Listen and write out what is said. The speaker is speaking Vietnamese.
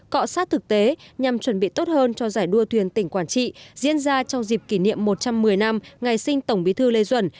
cọ sát thực tế nhằm chuẩn bị tốt hơn cho giải đua thuyền tỉnh quảng trị diễn ra trong dịp kỷ niệm một trăm một mươi năm ngày sinh tổng bí thư lê duẩn